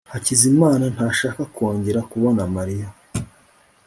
hakizimana ntashaka kongera kubona mariya